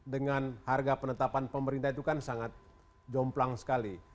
dengan harga penetapan pemerintah itu kan sangat jomplang sekali